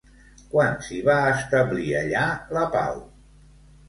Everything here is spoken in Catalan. Quan s'hi va establir allà la pau?